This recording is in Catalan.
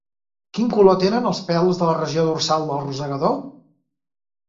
Quin color tenen els pèls de la regió dorsal del rosegador?